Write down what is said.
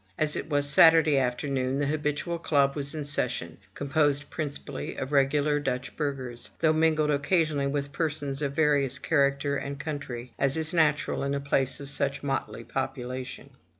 As it was Satur day afternoon, the habitual club was in session, composed prin cipally of regular Dutch burghers, though mingled occasionally with persons of various character and country, as is natural in a place of such motley population.